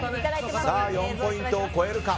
４ポイントを超えるか。